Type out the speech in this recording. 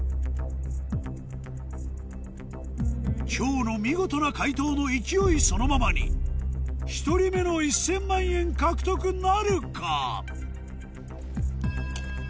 今日の見事な解答の勢いそのままに１人目の１０００万円獲得なるか？